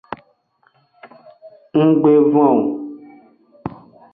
Nggbe von o.